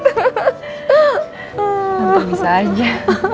tantang bisa aja